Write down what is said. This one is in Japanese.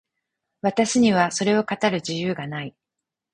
私にはそれを語る自由がない。